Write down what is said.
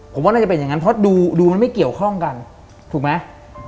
ผมว่าน่าจะเป็นอย่างนั้นเพราะดูมันไม่เกี่ยวข้องกันถูกไหม